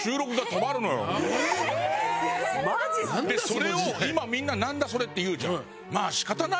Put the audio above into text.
それを今みんな「なんだ？それ」って言うじゃん。